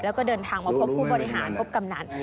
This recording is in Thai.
แล้วก็เดินทางมาพบผู้บริหารพบกำนัน